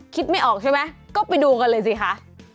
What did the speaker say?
ไม่ออกใช่ไหมก็ไปดูกันเลยสิคะ